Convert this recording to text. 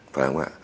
phải không ạ